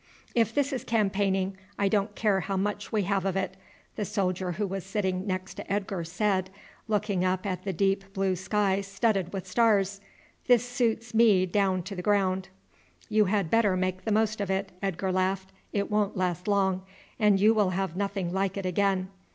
"If this is campaigning I don't care how much we have of it," the soldier who was sitting next to Edgar said, looking up at the deep blue sky studded with stars. "This suits me down to the ground." "You had better make the most of it," Edgar laughed, "it won't last long; and you will have nothing like it again.